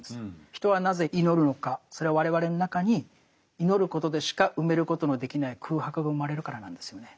人はなぜ祈るのかそれは我々の中に祈ることでしか埋めることのできない空白が生まれるからなんですよね。